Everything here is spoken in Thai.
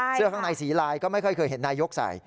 เสื้อข้างในสีลายก็ไม่ค่อยเคยเห็นนายกใส่